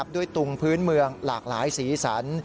ตุงพื้นเมืองหลากหลายสีสัน